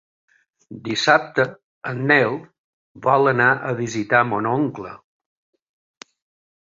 Dissabte en Nel vol anar a visitar mon oncle.